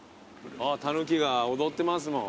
たぬきが踊ってますもん。